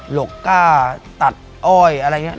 หลกก้าตัดอ้อยอะไรอย่างนี้